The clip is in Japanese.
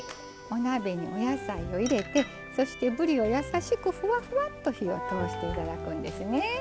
お鍋にお野菜を入れてそして、ぶりをやさしく、ふわふわっと火を通していただくんですね。